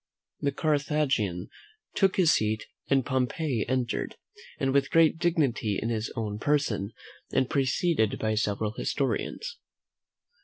The Carthaginian took his seat, and Pompey entered, with great dignity in his own person, and preceded by several historians.